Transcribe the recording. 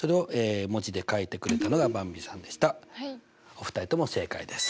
お二人とも正解です。